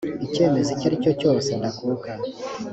icyemezo icyo ari cyo cyose ndakuka